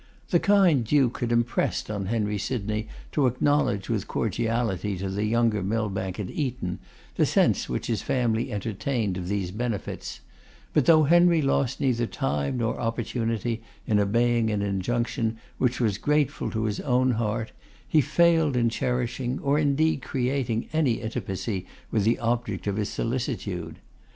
The kind Duke had impressed on Henry Sydney to acknowledge with cordiality to the younger Millbank at Eton, the sense which his family entertained of these benefits; but though Henry lost neither time nor opportunity in obeying an injunction, which was grateful to his own heart, he failed in cherishing, or indeed creating, any intimacy with the object of his solicitude.